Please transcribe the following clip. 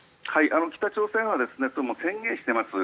北朝鮮は宣言してます。